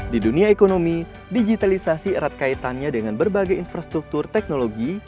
di dunia ekonomi digitalisasi erat kaitannya dengan berbagai infrastruktur teknologi